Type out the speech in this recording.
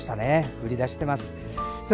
降り出しています。